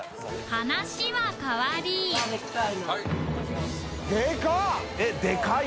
話は変わりでかい！